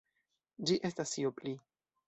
Ĝi estas io pli.